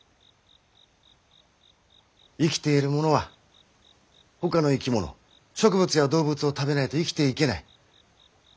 生きているものはほかの生き物植物や動物を食べないと生きていけない。